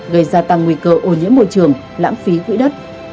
gây gia tăng nguy cơ ô nhiễm môi trường lãng phí quỹ đất